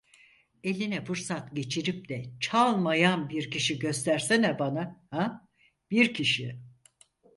Eline fırsat geçirip de çalmayan bir kişi göstersene bana! Ha? Bir kişi!